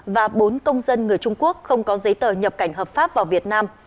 và bốn công dân người trung quốc không có giấy tờ nhập cảnh hợp pháp vào việt nam